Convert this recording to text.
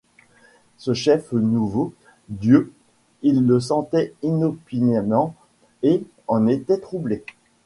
Ce chef nouveau, Dieu, il le sentait inopinément, et en était troublé.